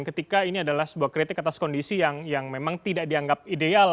ketika ini adalah sebuah kritik atas kondisi yang memang tidak dianggap ideal